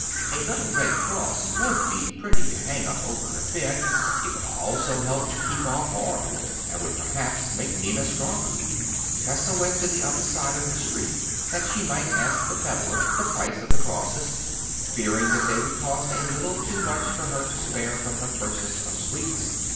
A little red cross would be pretty to hang up over her bed; it would also help to keep off harm, and would perhaps make Ninna stronger. Tessa went to the other side of the street that she might ask the pedlar the price of the crosses, fearing that they would cost a little too much for her to spare from her purchase of sweets.